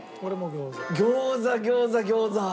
餃子餃子餃子。